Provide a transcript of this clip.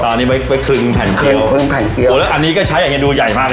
ตอนนี้ไปคลึงแผ่นเกี้ยวคลึงแผ่นเกี้ยวโอ้แล้วอันนี้ก็ใช้อย่างงี้ดูใหญ่มาก